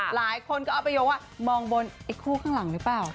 หลายคนก็เอาไปโยงว่ามองบนไอ้คู่ข้างหลังหรือเปล่า